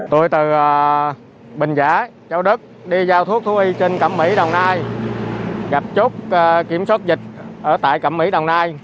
tôi từ bình giã châu đức đi giao thuốc thu y trên cẩm mỹ đồng nai gặp chốt kiểm soát dịch ở tại cẩm mỹ đồng nai